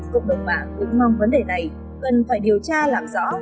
cộng đồng mạng cũng mong vấn đề này cần phải điều tra làm rõ